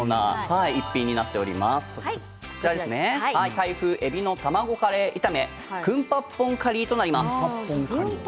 タイ風えびの卵カレー炒めクンパッポンカリーとなります。